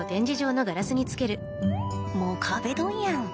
もう壁ドンやんと